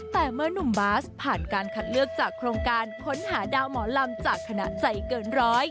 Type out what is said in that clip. แต่เมื่อนุ่มบาสผ่านการคัดเลือกจากโครงการค้นหาดาวหมอลำจากคณะใจเกินร้อย